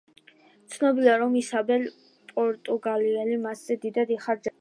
ცნობილია, რომ ისაბელ პორტუგალიელი მასზე დიდად იხარჯებოდა.